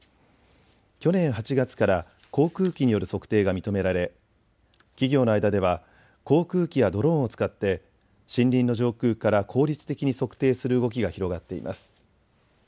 去年８月から航空機による測定が認められ企業の間では航空機やドローンを使って森林の上空から効率的に測定する動きが広がっています。